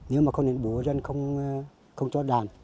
nếu mà không đến bù dân không cho đàn